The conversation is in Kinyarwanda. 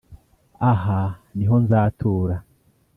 Aha ni ho nzatura